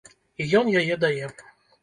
І ён яе дае.